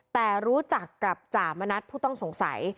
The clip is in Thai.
แต่รู้จักกับจ่ามณัฐผู้ต้องสงสัย